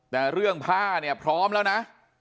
แต่เรื่องผ้าเนี่ยพร้อมแล้วนะ